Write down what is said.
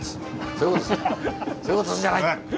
そういうことすんじゃない！